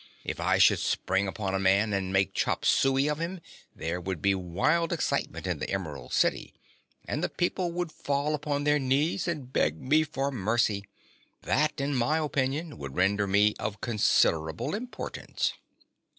If I should spring upon a man and make chop suey of him, there would be wild excitement in the Emerald City and the people would fall upon their knees and beg me for mercy. That, in my opinion, would render me of considerable importance."